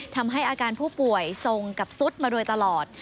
ทำให้อาการผู้ป่วยทรงกับซุดมาโดยตลอด